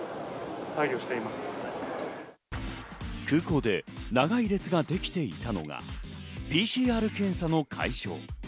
空港で長い列ができていたのがＰＣＲ検査の会場。